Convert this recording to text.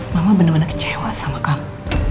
mama bener bener kecewa sama kamu